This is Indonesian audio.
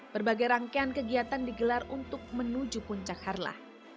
berbagai rangkaian kegiatan digelar untuk menuju puncak harlah